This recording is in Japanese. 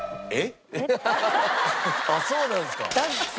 そうなんですか。